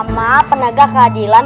sama penegak keadilan